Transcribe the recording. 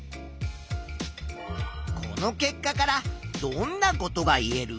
この結果からどんなことが言える？